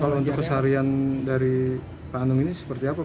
kalau untuk keseharian dari pak anung ini seperti apa pak